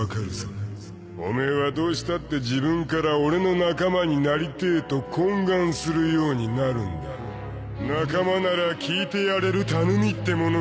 オメエはどうしたって自分から俺の仲間になりてえと懇願するようになるんだ仲間なら聞いてやれる頼みってものがあるだろう？